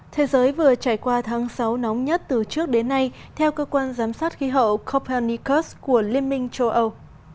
thế giới vừa trải qua tháng sáu nóng nhất từ trước đến nay theo cơ quan giám sát khí hậu copennicus của liên minh châu âu